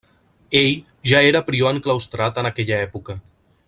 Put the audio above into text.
Ell ja era prior enclaustrat en aquella època.